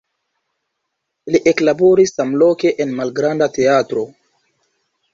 Li eklaboris samloke en malgranda teatro.